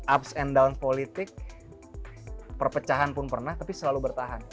ups and down politik perpecahan pun pernah tapi selalu bertahan